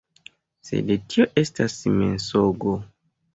Sed tio estas mensogo.